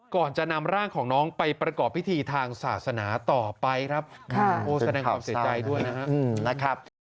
ก่อนจะนำร่างของน้องไปประกอบพิธีทางศาสนาต่อไปครับโอ้แสดงความเสียใจด้วยนะครับ